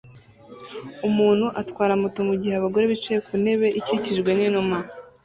Umuntu atwara moto mugihe abagore bicaye ku ntebe ikikijwe n'inuma